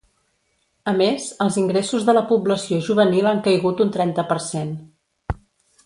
A més, els ingressos de la població juvenil han caigut un trenta per cent.